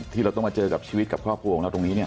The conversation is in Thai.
ที่เราต้องมาเจอกับชีวิตกับครอบครัวของเราตรงนี้เนี่ย